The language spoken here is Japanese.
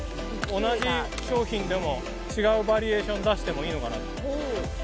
同じ商品でも、違うバリエーション出してもいいのかなって。